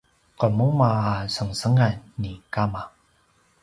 qemuma a sengsengan ni kama